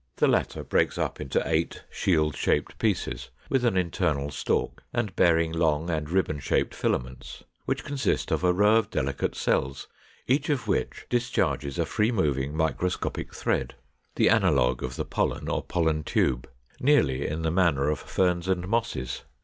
The latter breaks up into eight shield shaped pieces, with an internal stalk, and bearing long and ribbon shaped filaments, which consist of a row of delicate cells, each of which discharges a free moving microscopic thread (the analogue of the pollen or pollen tube), nearly in the manner of Ferns and Mosses.